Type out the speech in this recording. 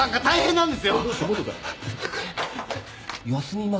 「休みます。